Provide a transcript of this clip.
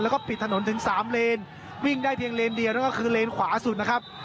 แล้วก็ปิดถนนถึงสามเลนวิ่งได้เพียงเลนเดียวนั่นก็คือเลนขวาสุดนะครับ